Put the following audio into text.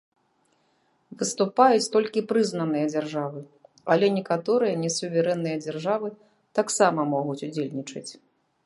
Выступаюць толькі прызнаныя дзяржавы, але некаторыя не суверэнныя дзяржавы таксама могуць удзельнічаць.